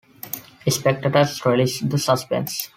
Spectators relish the suspense.